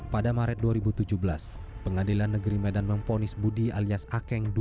pada maret dua ribu tujuh belas pengadilan negeri medan memponis budi alias akeng